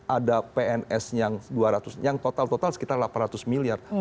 ada pns yang dua ratus yang total total sekitar delapan ratus miliar